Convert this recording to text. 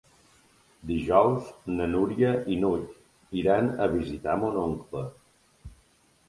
Dijous na Núria i n'Hug iran a visitar mon oncle.